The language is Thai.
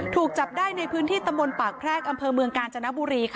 ถูกจับได้ในพื้นที่ตำบลปากแพรกอำเภอเมืองกาญจนบุรี